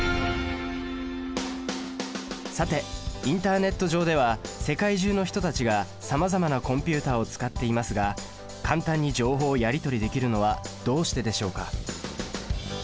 さてインターネット上では世界中の人たちがさまざまなコンピュータを使っていますが簡単に情報をやり取りできるのはどうしてでしょうか？